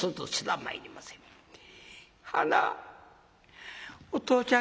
「ハナお父ちゃん